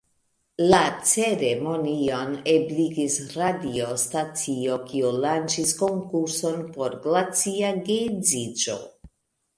La ceremonion ebligis radiostacio, kiu lanĉis konkurson por glacia geedziĝo.